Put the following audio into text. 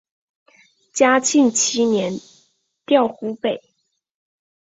嘉庆七年调湖北。